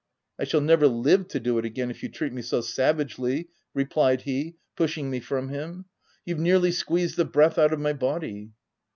iC I shall never live to do it again, if you treat me so savagely/' replied he, pushing me from him. " You've nearly squeezed the breath out of my body."